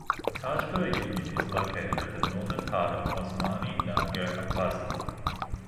Tajpur Union is located at the northern part of Osmani Nagar Upazila.